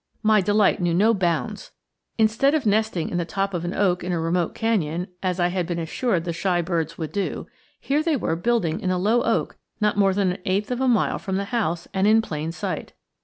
My delight knew no bounds. Instead of nesting in the top of an oak in a remote canyon, as I had been assured the shy birds would do, here they were building in a low oak not more than an eighth of a mile from the house, and in plain sight.